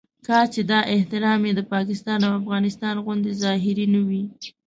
کاش چې دا احترام یې د پاکستان او افغانستان غوندې ظاهري نه وي.